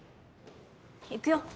行くよ。